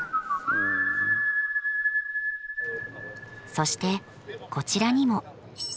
そしてこちらにも。